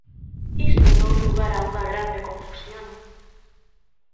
Isto dou lugar a unha grande confusión.